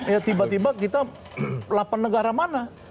ya tiba tiba kita delapan negara mana